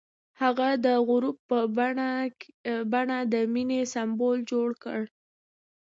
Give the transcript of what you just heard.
هغه د غروب په بڼه د مینې سمبول جوړ کړ.